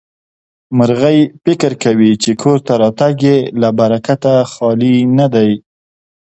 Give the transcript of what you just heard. مرغۍ فکر کوي چې کور ته راتګ يې له برکته خالي نه دی.